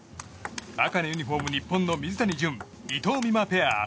赤のユニホーム日本の水谷隼、伊藤美誠ペア。